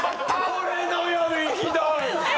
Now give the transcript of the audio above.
俺のよりひどい！